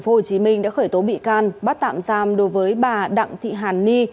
cơ quan cảnh sát điều tra công an tp hcm đã khởi tố bị can bắt tạm giam đối với bà đặng thị hàn ni